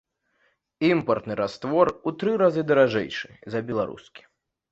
Імпартны раствор у тры разы даражэйшы за беларускі.